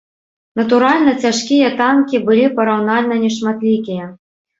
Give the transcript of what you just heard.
Натуральна цяжкія танкі былі параўнальна нешматлікія.